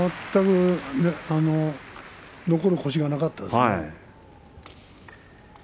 全く残る腰がなかったですね。